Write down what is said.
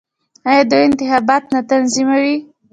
آیا دوی انتخابات نه تنظیموي؟